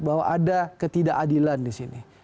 bahwa ada ketidakadilan disini